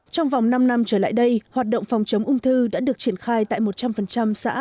trong vòng năm năm trở lại đây hoạt động phòng chống ung thư đã được triển khai tại một trăm linh xã